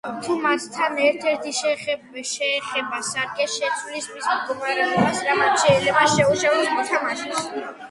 თუ მათგან ერთ-ერთი შეეხება სარკეს, შეცვლის მის მდგომარეობას, რამაც შეიძლება შეუშალოს მოთამაშეს.